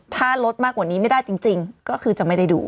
ถ้าลดมากกว่านี้ไม่ได้จริงก็คือจะไม่ได้ดู